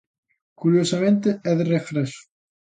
Curiosamente é de regreso.